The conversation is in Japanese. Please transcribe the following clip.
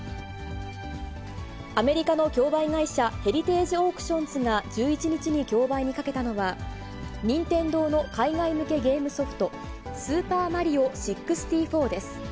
アメリカの競売会社、ヘリテージ・オークションズが１１日に競売にかけたのは、任天堂の海外向けゲームソフト、スーパーマリオ６４です。